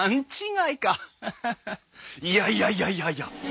いやいやいやいやいや！